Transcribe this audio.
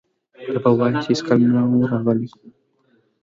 ته به وایې چې هېڅکله نه و راغلي.